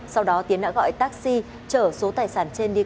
sau đó tiến đã gọi taxi trở số tài sản trên đi